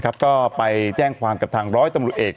ก็ไปแจ้งความกับทางร้อยตำรวจเอก